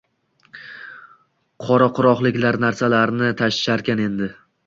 Qoraquroqliklar narsalarni tashisharkan endi.